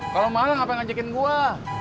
kalau mahal ngapain ngajakin gue